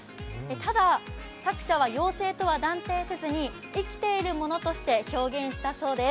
ただ、作者は妖精とは断定せずに生きているものとして表現したそうです。